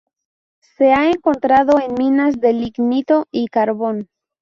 Se ha encontrado en minas de lignito y carbón.